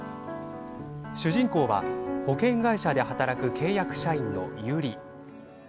主人公は保険会社で働く契約社員のユリ。